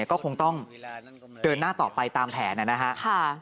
ก็คงต้องเดินหน้าต่อไปตามแผนนะครับ